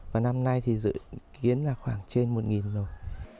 và năm nay thì dự kiến là khoảng trên một rồi